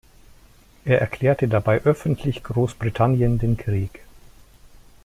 Er erklärte dabei öffentlich Großbritannien den Krieg.